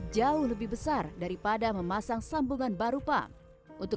jauh lebih besar daripada memasang sambungan baru pump untuk